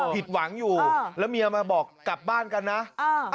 ผิดหวังอยู่แล้วเมียมาบอกกลับบ้านกันนะอ่า